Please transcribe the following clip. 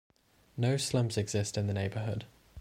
No slums exist in the neighborhood.